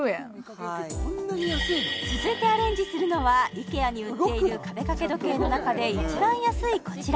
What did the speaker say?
はい続いてアレンジするのはイケアに売っている壁掛け時計の中で一番安いこちら